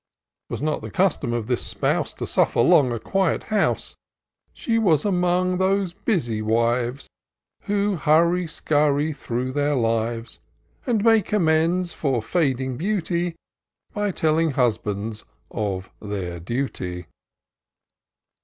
'Twas not the custom of this spouse To suffer long a quiet house : She was among those busy wives. Who hurry scurry through their lives ; And make amends for fading beauty By telling husbands of their duty.